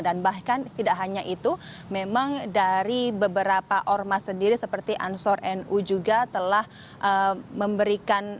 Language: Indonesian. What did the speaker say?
dan bahkan tidak hanya itu memang dari beberapa ormas sendiri seperti ansor nu juga telah memberikan